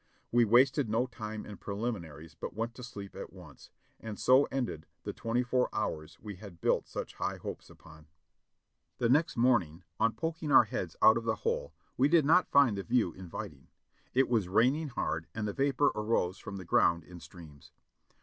We wasted no time in preliminaries, but went to sleep at once ; and so ended the twenty four hours we had built such high hopes upon. ON THE WATCH 621 The next morning on poking our heads out of the hole we did not find the view inviting; it was raining hard and the vapor arose from the ground in streams.